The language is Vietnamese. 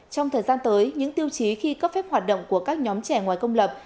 trong thời gian tới những tiêu chí khi cấp phép hoạt động của các nhóm trẻ ngoài công lập